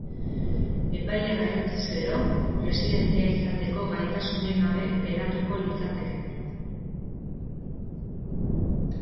Epaia berretsiz gero, presidente izateko gaitasunik gabe geratuko litzateke.